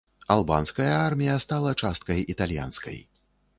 Албанская армія стала часткай італьянскай.